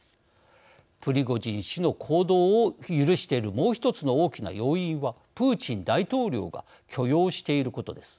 プリゴジン氏の行動を許しているもう一つの大きな要因はプーチン大統領が許容していることです。